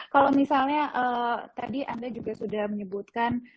kalau misalnya tadi anda juga sudah menyebutkan